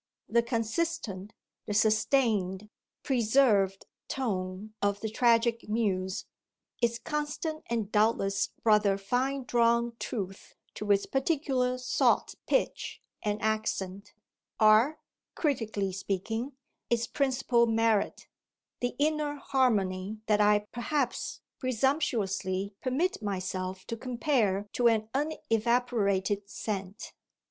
The consistent, the sustained, preserved tone of The Tragic Muse, its constant and doubtless rather fine drawn truth to its particular sought pitch and accent, are, critically speaking, its principal merit the inner harmony that I perhaps presumptuously permit myself to compare to an unevaporated scent.